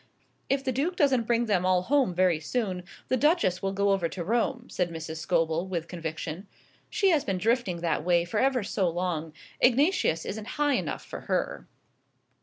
"If the Duke doesn't bring them all home very soon the Duchess will go over to Rome," said Mrs. Scobel, with conviction. "She has been drifting that way for ever so long. Ignatius isn't high enough for her."